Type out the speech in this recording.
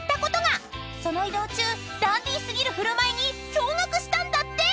［その移動中ダンディー過ぎる振る舞いに驚愕したんだって］